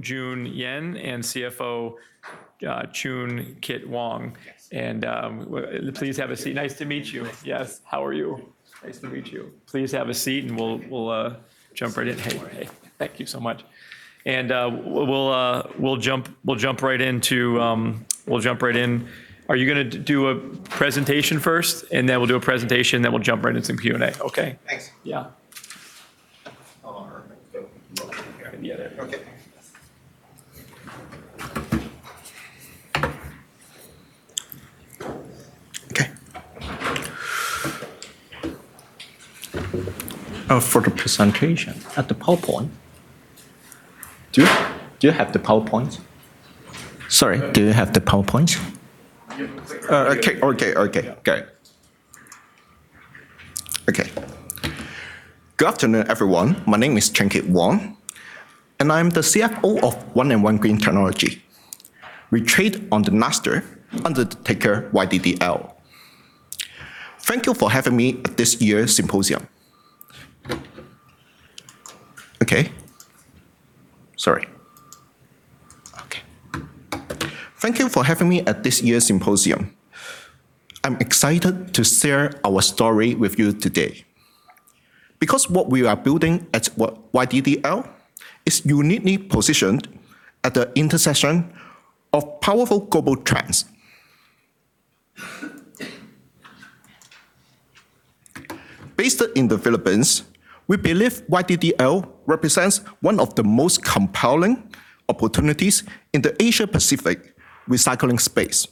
Jun Yan and CFO Chun Kit Wong. Yes. Please have a seat. Nice to meet you. Yes. How are you? Nice to meet you. Please have a seat, and we'll jump right in. Hey. Thank you so much. We'll jump right in. Are you going to do a presentation first? We'll do a presentation, then we'll jump right into some Q&A. Okay. Thanks. Yeah. How long? Yeah. Okay. For the presentation, the PowerPoint. Do you have the PowerPoint? Sorry, do you have the PowerPoint? Yeah. Good afternoon, everyone. My name is Chun Kit Wong, and I'm the CFO of One and One Green Technologies. We trade on the NASDAQ under the ticker YDDL. Thank you for having me at this year's symposium. I'm excited to share our story with you today. What we are building at YDDL is uniquely positioned at the intersection of powerful global trends. Based in the Philippines, we believe YDDL represents one of the most compelling opportunities in the Asia-Pacific recycling space.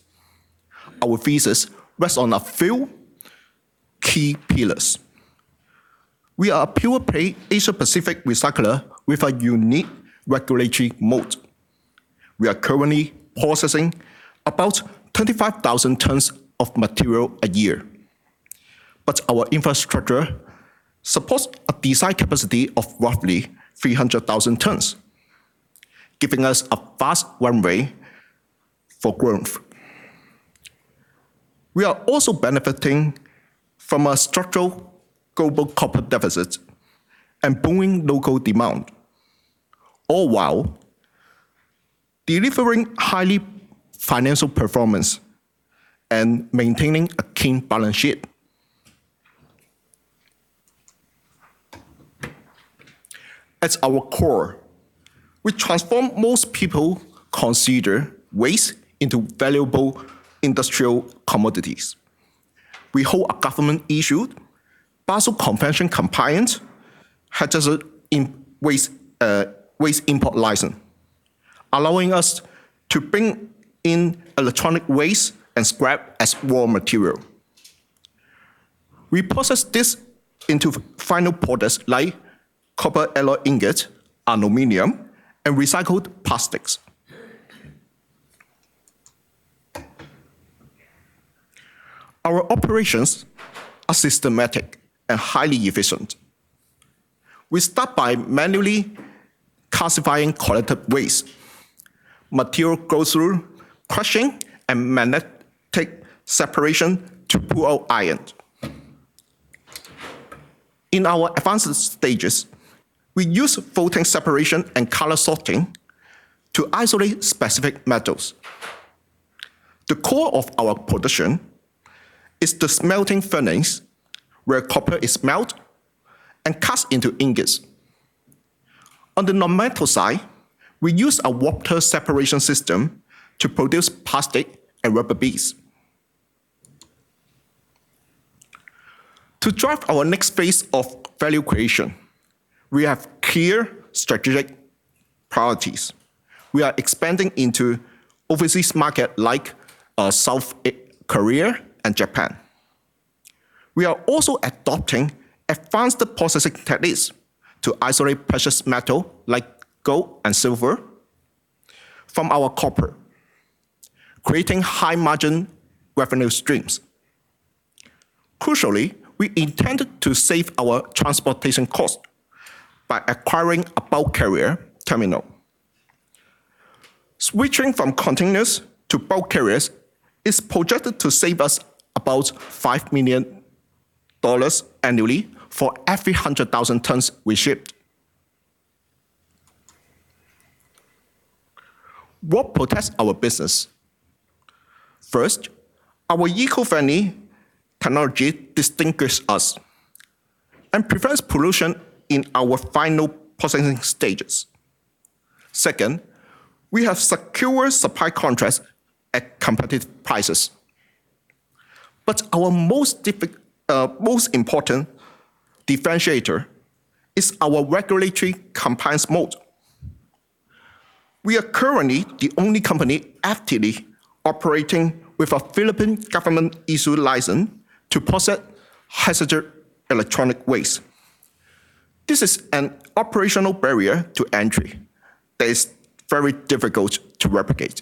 Our thesis rests on a few key pillars. We are a pure-play Asia-Pacific recycler with a unique regulatory moat. We are currently processing about 25,000 tons of material a year. Our infrastructure supports a design capacity of roughly 300,000 tons, giving us a vast runway for growth. We are also benefiting from a structural global copper deficit and booming local demand, all while delivering high financial performance and maintaining a clean balance sheet. At our core, we transform most people's considered waste into valuable industrial commodities. We hold a government-issued, Basel Convention compliant, hazardous waste import license, allowing us to bring in electronic waste and scrap as raw material. We process this into final products like copper alloy ingot, aluminum, and recycled plastics. Our operations are systematic and highly efficient. We start by manually classifying collected waste. Material goes through crushing and magnetic separation to pull out iron. In our advanced stages, we use floating separation and color sorting to isolate specific metals. The core of our production is the smelting furnace, where copper is melted and cast into ingots. On the non-metal side, we use a water separation system to produce plastic and rubber beads. To drive our next phase of value creation, we have clear strategic priorities. We are expanding into overseas markets like South Korea and Japan. We are also adopting advanced processing techniques to isolate precious metals like gold and silver from our copper, creating high-margin revenue streams. Crucially, we intend to save our transportation costs by acquiring a bulk carrier terminal. Switching from containers to bulk carriers is projected to save us about $5 million annually for every 100,000 tons we ship. What protects our business? First, our eco-friendly technology distinguishes us and prevents pollution in our final processing stages. Second, we have secured supply contracts at competitive prices. Our most important differentiator is our regulatory compliance moat. We are currently the only company actively operating with a Philippine government-issued license to process hazardous electronic waste. This is an operational barrier to entry that is very difficult to replicate.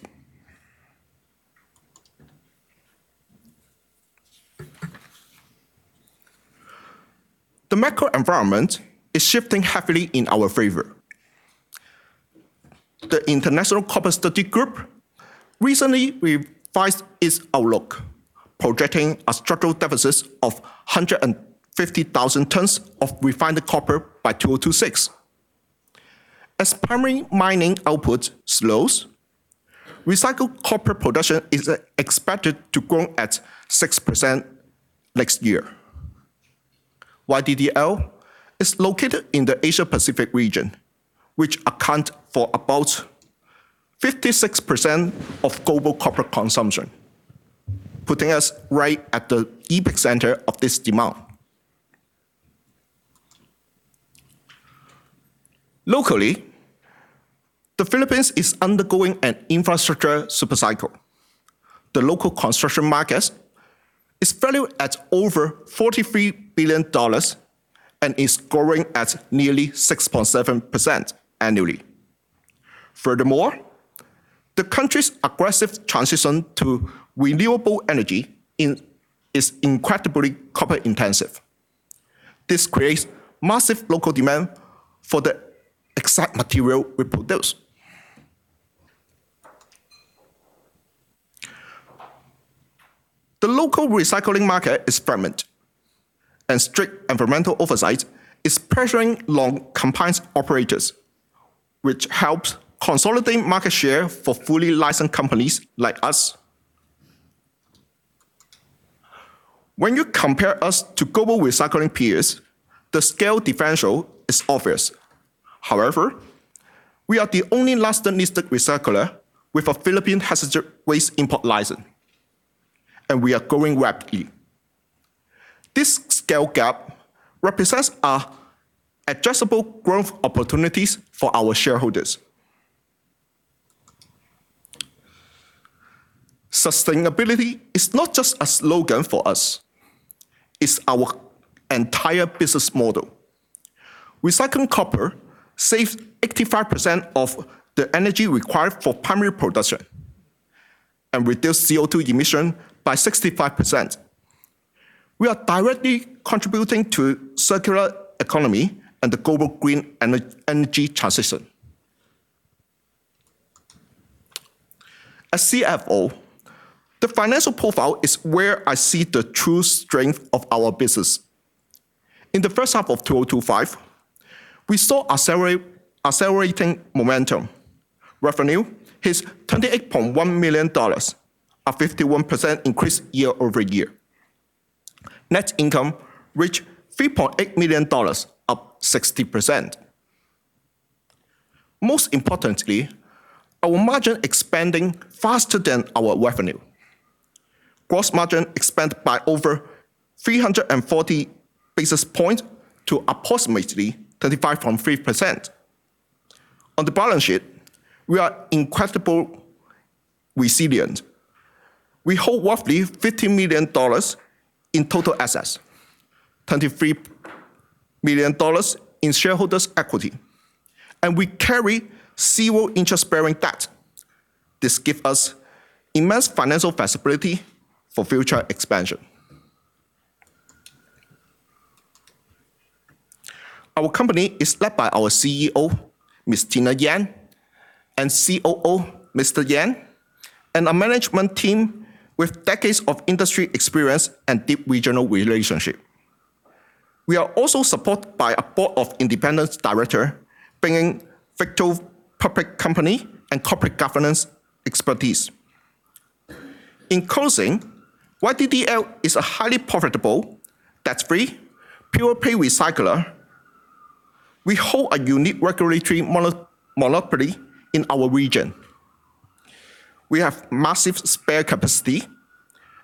The macro environment is shifting heavily in our favor. The International Copper Study Group recently revised its outlook, projecting a structural deficit of 150,000 tons of refined copper by 2026. As primary mining output slows, recycled copper production is expected to grow at 6% next year. YDDL is located in the Asia-Pacific region, which accounts for about 56% of global copper consumption, putting us right at the epicenter of this demand. Locally, the Philippines is undergoing an infrastructure super cycle. The local construction market is valued at over $43 billion and is growing at nearly 6.7% annually. Furthermore, the country's aggressive transition to renewable energy is incredibly copper intensive. This creates massive local demand for the exact material we produce. The local recycling market is fragmented, and strict environmental oversight is pressuring non-compliance operators, which helps consolidate market share for fully licensed companies like us. When you compare us to global recycling peers, the scale differential is obvious. However, we are the only NASDAQ-listed recycler with a Philippine hazardous waste import license, and we are growing rapidly. This scale gap represents adjustable growth opportunities for our shareholders. Sustainability is not just a slogan for us, it's our entire business model. Recycling copper saves 85% of the energy required for primary production and reduces CO2 emission by 65%. We are directly contributing to circular economy and the global green energy transition. As CFO, the financial profile is where I see the true strength of our business. In the H1 of 2025, we saw accelerating momentum. Revenue hit $28.1 million, a 51% increase year-over-year. Net income reached $3.8 million, up 60%. Most importantly, our margin expanding faster than our revenue. Gross margin expanded by over 340 basis points to approximately 35.3%. On the balance sheet, we are incredibly resilient. We hold roughly $50 million in total assets, $23 million in shareholders' equity, and we carry zero interest-bearing debt. This gives us immense financial flexibility for future expansion. Our company is led by our CEO, Ms. Tina Yan, and COO, Mr. Yan, and a management team with decades of industry experience and deep regional relationships. We are also supported by a board of independent directors, bringing virtually public company and corporate governance expertise. In closing, YDDL is a highly profitable, debt-free, pure-play recycler. We hold a unique regulatory monopoly in our region. We have massive spare capacity,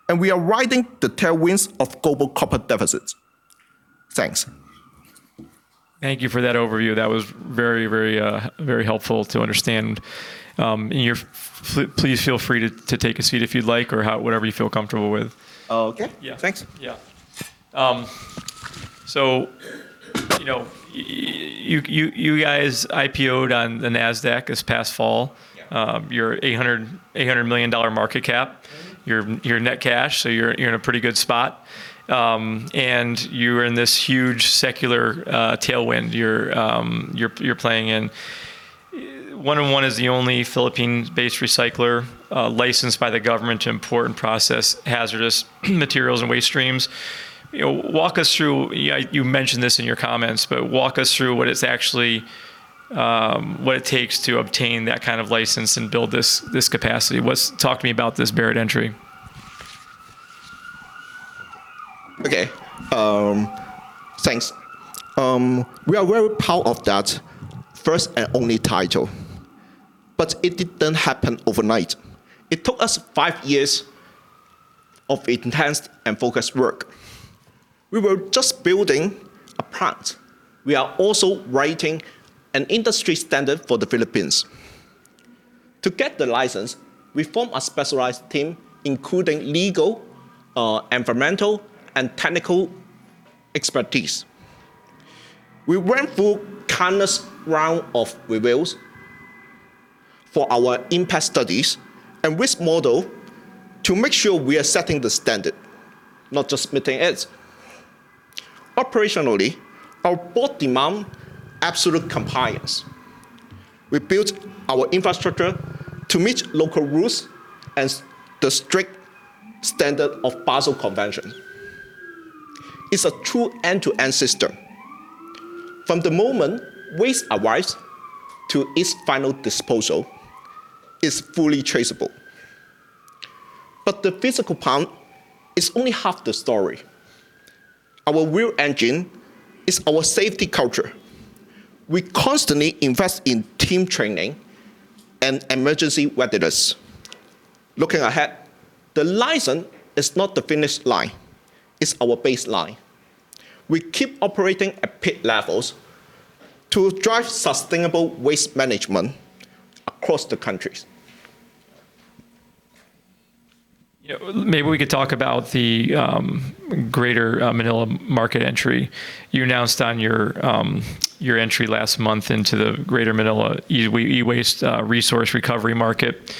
and we are riding the tailwinds of global copper deficits. Thanks. Thank you for that overview. That was very helpful to understand. Please feel free to take a seat if you'd like, or whatever you feel comfortable with. Okay. Yeah. Thanks. Yeah. You guys IPO'd on the NASDAQ this past fall. Yeah. You're an $800 million market cap. Mm-hmm. You're net cash, so you're in a pretty good spot. You're in this huge secular tailwind you're playing in. One and One is the only Philippines-based recycler licensed by the government to import and process hazardous materials and waste streams. You mentioned this in your comments, but walk us through what it takes to obtain that kind of license and build this capacity. Talk to me about this barrier to entry. Okay. Thanks. We are very proud of that first and only title, but it didn't happen overnight. It took us five years of intense and focused work. We were just building a plant. We are also writing an industry standard for the Philippines. To get the license, we formed a specialized team, including legal, environmental, and technical expertise. We went through countless rounds of reviews for our impact studies and risk model to make sure we are setting the standard, not just meeting it. Operationally, our port demands absolute compliance. We built our infrastructure to meet local rules and the strict standard of Basel Convention. It's a true end-to-end system. From the moment waste arrives to its final disposal, it's fully traceable. The physical plant is only half the story. Our real engine is our safety culture. We constantly invest in team training and emergency readiness. Looking ahead, the license is not the finish line, it's our baseline. We keep operating at peak levels to drive sustainable waste management across the countries. Yeah. Maybe we could talk about the Greater Manila market entry. You announced your entry last month into the Greater Manila e-waste resource recovery market,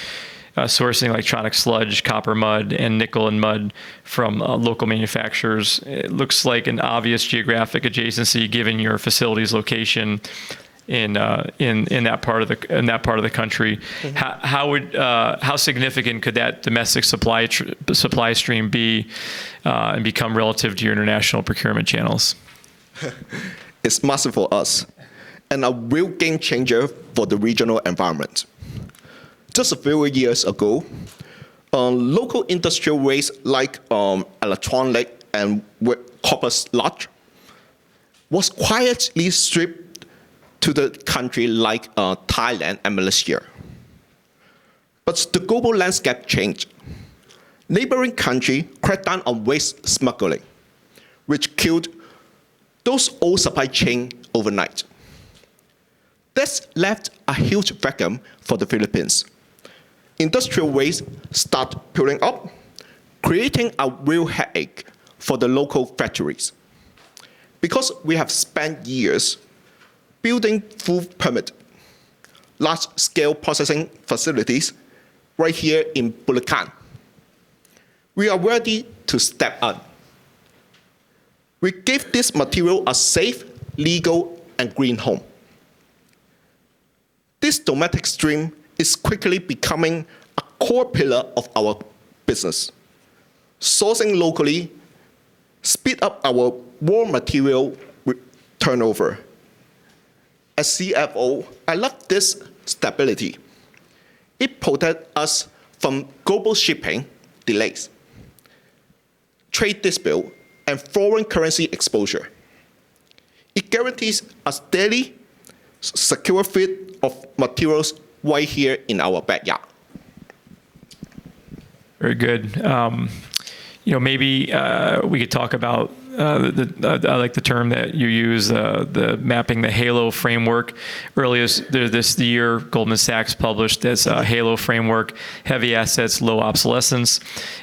sourcing electronic sludge, copper mud, and nickel mud from local manufacturers. It looks like an obvious geographic adjacency given your facility's location in that part of the country. Mm-hmm. How significant could that domestic supply stream be, and become relative to your international procurement channels? It's massive for us, and a real game changer for the regional environment. Just a few years ago, local industrial waste like electronic sludge and copper mud was quietly shipped to countries like Thailand and Malaysia. The global landscape changed. Neighboring countries cracked down on waste smuggling, which killed those old supply chains overnight. This left a huge vacuum for the Philippines. Industrial waste started piling up, creating a real headache for the local factories. Because we have spent years building fully permitted, large-scale processing facilities right here in Bulacan, we are ready to step up. We give this material a safe, legal, and green home. This domestic stream is quickly becoming a core pillar of our business. Sourcing locally speeds up our raw material turnover. As CFO, I love this stability. It protects us from global shipping delays, trade disputes, and foreign currency exposure. It guarantees a steady, secure fit of materials right here in our backyard. Very good. Maybe we could talk about. I like the term that you used, the mapping the HALO framework. Earlier this year, Goldman Sachs published this HALO framework, heavy assets, low obsolescence,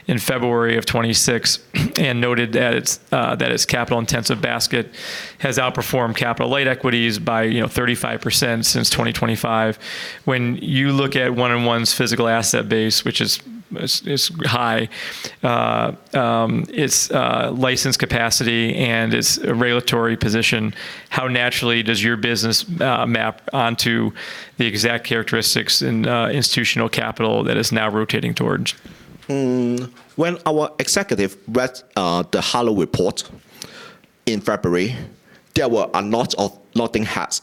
in February 2026, and noted that its capital-intensive basket has outperformed capital light equities by 35% since 2025. When you look at One and One's physical asset base, which is high, its license capacity, and its regulatory position, how naturally does your business map onto the exact characteristics and institutional capital that it's now rotating towards? When our executive read the HALO report in February, there were a lot of nodding heads.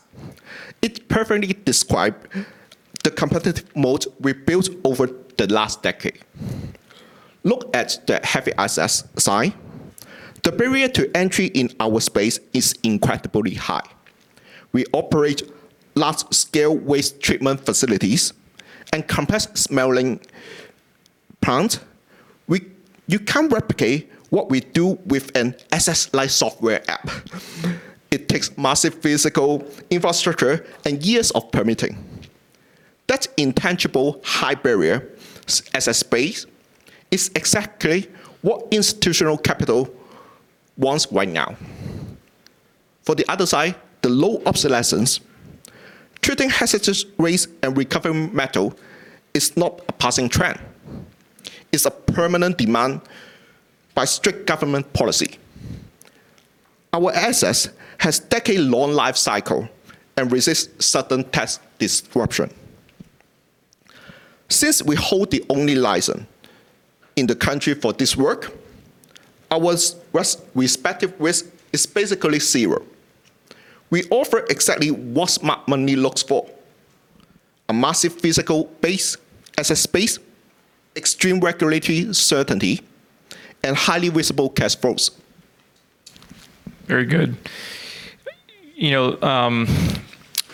It perfectly described the competitive moat we built over the last decade. Look at the heavy assets side. The barrier to entry in our space is incredibly high. We operate large-scale waste treatment facilities and complex smelting plant. You can't replicate what we do with an asset light software app. It takes massive physical infrastructure and years of permitting. That intangible high barrier in the space is exactly what institutional capital wants right now. For the other side, the low obsolescence. Treating hazardous waste and recovering metal is not a passing trend, it's a permanent demand by strict government policy. Our assets has decade-long life cycle and resist sudden tech disruption. Since we hold the only license in the country for this work, our regulatory risk is basically zero. We offer exactly what smart money looks for. A massive physical base as a space, extreme regulatory certainty, and highly visible cash flows. Very good.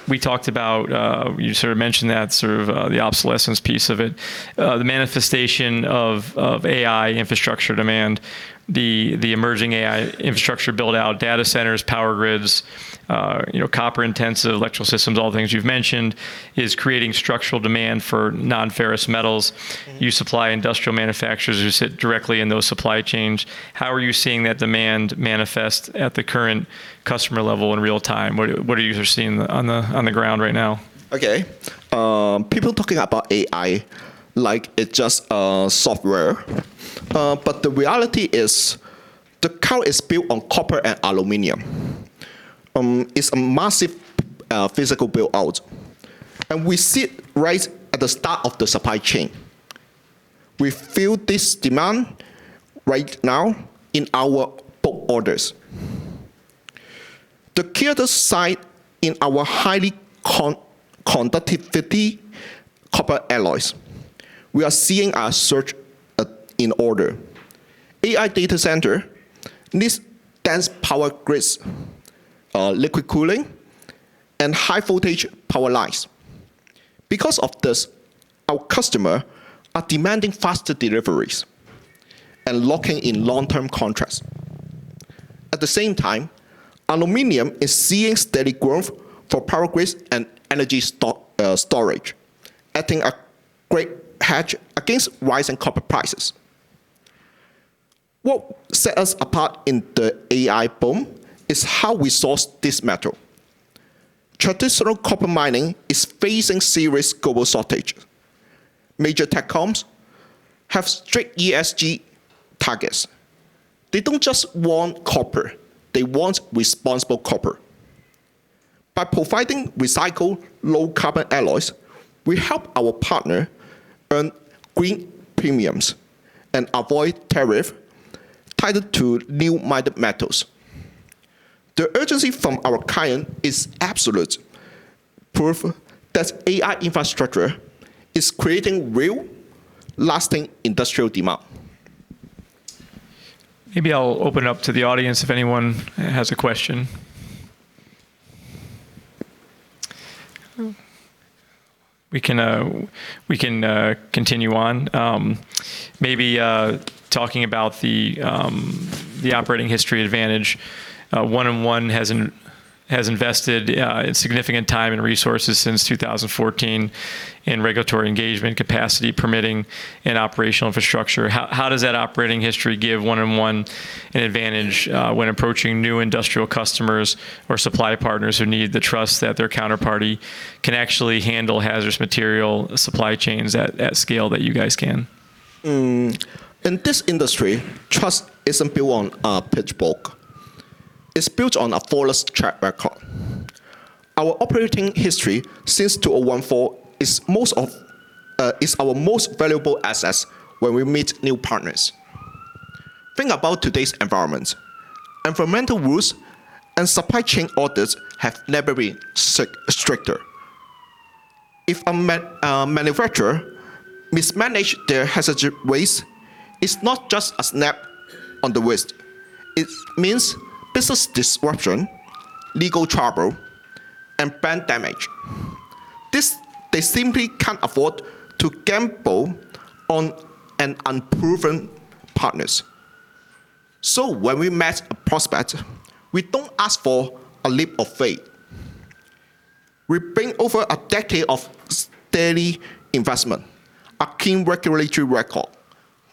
We talked about, you sort of mentioned that, the obsolescence piece of it. The manifestation of AI infrastructure demand, the emerging AI infrastructure build-out, data centers, power grids, copper-intensive electrical systems, all the things you've mentioned, is creating structural demand for non-ferrous metals. Mm-hmm. You supply industrial manufacturers, you sit directly in those supply chains. How are you seeing that demand manifest at the customer level in real time, what are you seeing on the ground right now? Okay. People talking about AI like it's just a software. The reality is the core is built on copper and aluminum. It's a massive physical build-out. We sit right at the start of the supply chain. We feel this demand right now in our book orders. For our high conductivity copper alloys, we are seeing a surge in orders. AI data centers need dense power grids, liquid cooling, and high voltage power lines. Because of this, our customers are demanding faster deliveries and locking in long-term contracts. At the same time, aluminum is seeing steady growth for power grids and energy storage, adding a great hedge against rising copper prices. What sets us apart in the AI boom is how we source this metal. Traditional copper mining is facing serious global shortage. Major tech companies have strict ESG targets. They don't just want copper. They want responsible copper. By providing recycled, low carbon alloys, we help our partner earn green premiums and avoid tariff tied to new mined metals. The urgency from our client is absolute proof that AI infrastructure is creating real, lasting industrial demand. Maybe I'll open it up to the audience if anyone has a question. We can continue on. Maybe talking about the operating history advantage. One and One has invested significant time and resources since 2014 in regulatory engagement capacity permitting and operational infrastructure. How does that operating history give One and One an advantage when approaching new industrial customers or supply partners who need the trust that their counterparty can actually handle hazardous material supply chains at scale that you guys can? In this industry, trust isn't built on a pitch book. It's built on a flawless track record. Our operating history since 2014 is our most valuable asset when we meet new partners. Think about today's environment. Environmental rules and supply chain orders have never been stricter. If a manufacturer mismanages their hazardous waste, it's not just a slap on the wrist. It means business disruption, legal trouble, and brand damage. This, they simply can't afford to gamble on an unproven partner. When we meet a prospect, we don't ask for a leap of faith. We bring over a decade of steady investment, a clean regulatory record,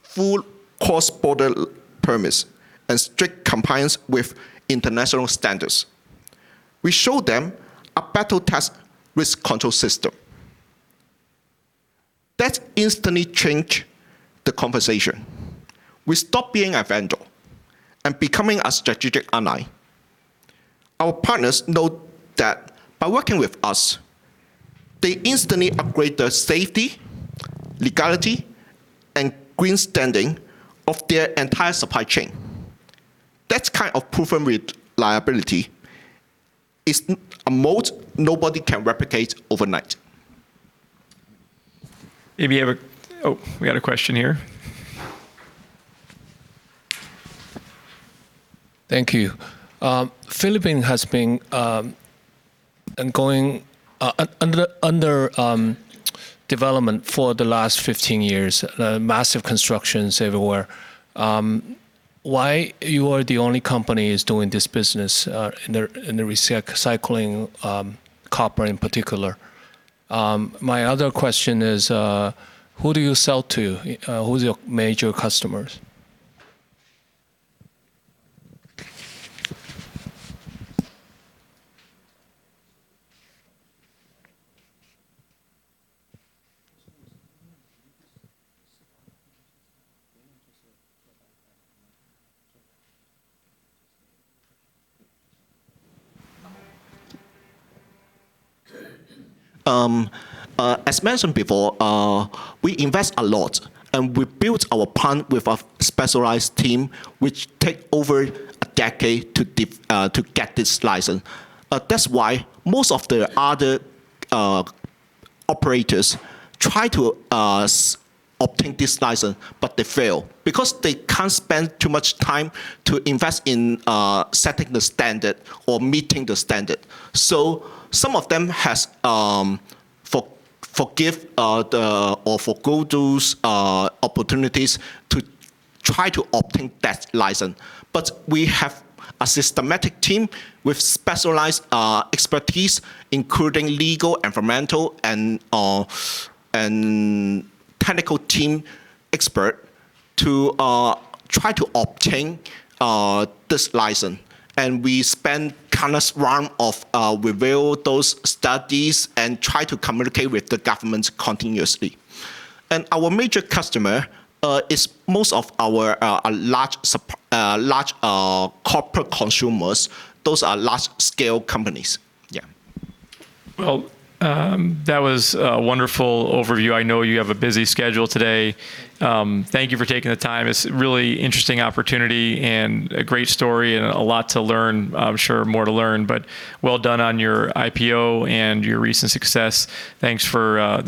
full cross-border permits, and strict compliance with international standards. We show them a battle-tested risk control system. That instantly changes the conversation. We stop being a vendor and become a strategic ally. Our partners know that by working with us, they instantly upgrade their safety, legality, and green standing of their entire supply chain. That kind of proven reliability is a mode nobody can replicate overnight. Oh, we got a question here. Thank you. Philippines has been under development for the last 15 years. Massive constructions everywhere. Why you are the only company is doing this business in the recycling copper in particular? My other question is, who do you sell to? Who's your major customers? As mentioned before, we invest a lot, and we built our plan with a specialized team, which take over a decade to get this license. That's why most of the other operators try to obtain this license, but they fail because they can't spend too much time to invest in setting the standard or meeting the standard. Some of them have forgone those opportunities to try to obtain that license. We have a systematic team with specialized expertise, including legal, environmental, and technical team expert to try to obtain this license. We spend countless rounds of reviewing those studies and try to communicate with the governments continuously. Our major customer is most of our large corporate consumers. Those are large-scale companies. Yeah. Well, that was a wonderful overview. I know you have a busy schedule today. Thank you for taking the time. It's a really interesting opportunity and a great story and a lot to learn. I'm sure more to learn, but well done on your IPO and your recent success. Thanks for.